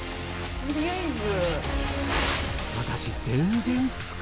取りあえず。